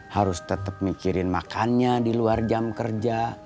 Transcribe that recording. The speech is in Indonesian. harus tetap mikirin makannya di luar jam kerja